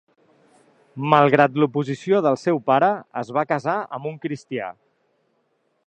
Malgrat l'oposició del seu pare, es va casar amb un cristià.